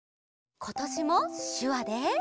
ことしもしゅわで。